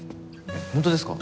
本当ですか？